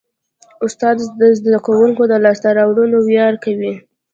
استاد د زده کوونکي د لاسته راوړنو ویاړ کوي.